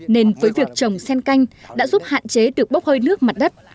nên với việc trồng sen canh đã giúp hạn chế được bốc hơi nước mặt đất